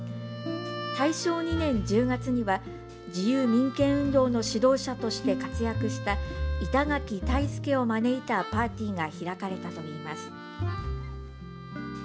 大正２年１０月には自由民権運動の指導者として活躍した板垣退助を招いたパーティーが開かれたといいます。